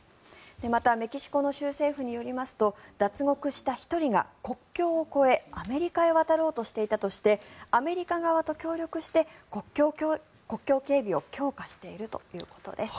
また、メキシコの州政府によりますと脱獄した１人が国境を越えアメリカに渡ろうとしていたとしてアメリカ側と協力して国境警備を強化しているということです。